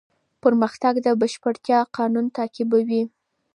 پرمختګ د بشپړتیا قانون تعقیبوي.